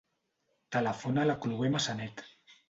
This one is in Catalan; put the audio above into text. Telefona a la Chloé Massanet.